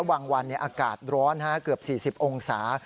ระหว่างวันเนี่ยอากาศร้อนเกือบ๔๐องศา